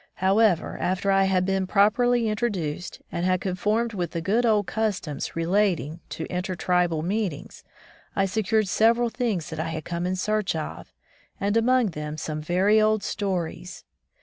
However, after I had been properly introduced, and had conformed with the good old customs relating to inter tribal meetings, I secured several things that I had come in search of, and among them some very old stories.